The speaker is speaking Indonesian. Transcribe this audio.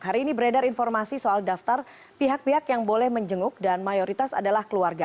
hari ini beredar informasi soal daftar pihak pihak yang boleh menjenguk dan mayoritas adalah keluarga